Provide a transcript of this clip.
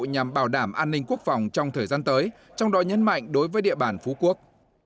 nhằm bảo đảm an ninh quốc phòng trong thời gian tới trong đó nhấn mạnh đối với địa bàn phú quốc